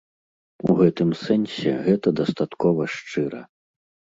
У гэтым сэнсе гэта дастаткова шчыра.